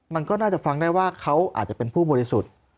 มันก็น่าจะฟังได้ว่าเขาอาจจะเป็นผู้บริสุทธิ์